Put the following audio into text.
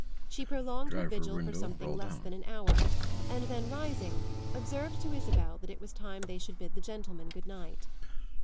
She prolonged her vigil for something less than an hour, and then, rising, observed to Isabel that it was time they should bid the gentlemen good night.